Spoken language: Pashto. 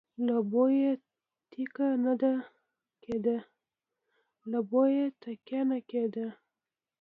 له بويه ټېکه نه کېده.